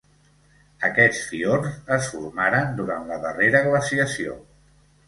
Aquests fiords es formaren durant la darrera glaciació.